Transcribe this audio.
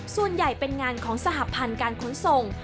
ส่วนใหญ่เป็นงานของสหพันธ์การขนส่ง